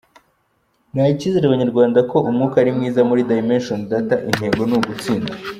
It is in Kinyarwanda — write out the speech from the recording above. Naha icyizere Abanyarwanda ko umwuka ari mwiza muri Dimension Data, intego ni ugutsinda.